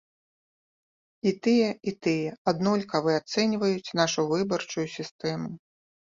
І тыя, і тыя аднолькава ацэньваюць нашу выбарчую сістэму.